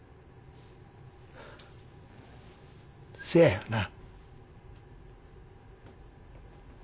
せやろな。